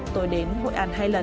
tôi đến hội an hai lần